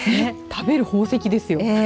食べる宝石ですよ。